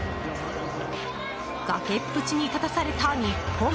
崖っぷちに立たされた日本。